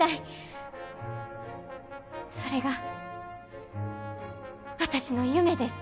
それが私の夢です。